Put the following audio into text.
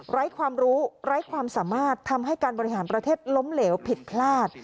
ไร้ความรู้ไร้ความสามารถทำให้การบริหารประเทศล้มเหลวผิดพลาด